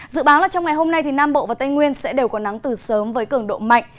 dự báo là trong ngày hôm nay nam bộ và tây nguyên sẽ đều có nắng từ sớm với cường độ mạnh